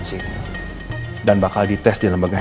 soal kakak seseorang